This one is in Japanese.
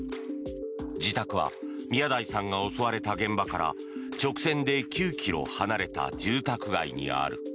自宅は宮台さんが襲われた現場から直線で９ｋｍ離れた住宅街にある。